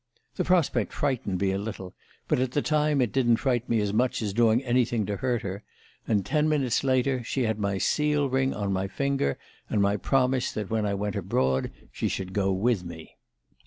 The prospect frightened me a little, but at the time it didn't frighten me as much as doing anything to hurt her; and ten minutes later she had my seal ring on my finger, and my promise that when I went abroad she should go with me.